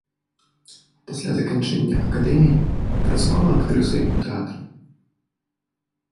Пасля заканчэння акадэміі працавала актрысай ў тэатры.